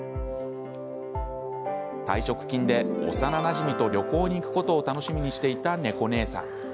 退職金で幼なじみと旅行に行くことを楽しみにしていた、ねこねえさん。